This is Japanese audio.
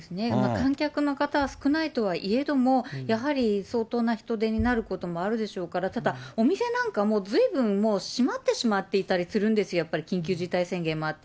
観客の方は少ないとはいえども、やはり相当な人出になることもあるでしょうから、ただお店なんかも、ずいぶんもう、閉まってしまっていたりするんですよ、やっぱり緊急事態宣言もあって。